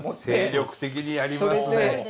精力的にやりますね。